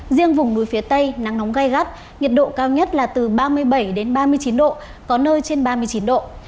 riêng vùng núi phía tây nắng nóng gai gắt nhiệt độ cao nhất là từ ba mươi bảy đến ba mươi chín độ có nơi trên ba mươi chín độ